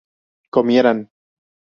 comieran